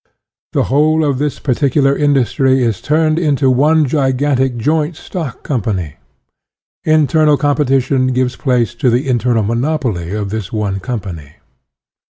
The whole of the particular industry is turned into one gigantic joint stock com pany; internal competition gives place to the internal monopoly of this one company.